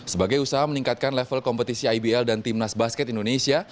sebagai usaha meningkatkan level kompetisi ibl dan timnas basket indonesia